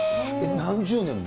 何十年も？